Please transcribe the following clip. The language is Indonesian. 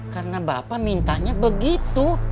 karena bapak mintanya begitu